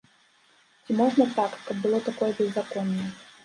Ці можна так, каб было такое беззаконне?